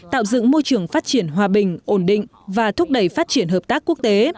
tạo dựng môi trường phát triển hòa bình ổn định và thúc đẩy phát triển hợp tác quốc tế